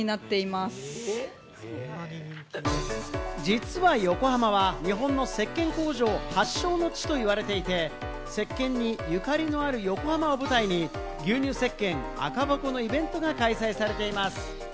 実は、横浜は日本の石けん工場発祥の地と言われていて、石けんにゆかりのある横浜を舞台に牛乳石鹸・赤箱のイベントが開催されています。